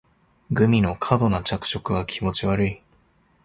グミの過度な着色は気持ち悪い